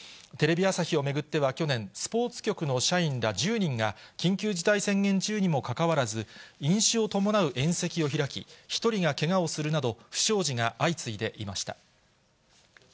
テレビ朝日を巡っては去年、スポーツ局の社員ら１０人が、緊急事態宣言中にもかかわらず、飲酒を伴う宴席を開き、１人がけがをするなど、不祥事が相次いでいました。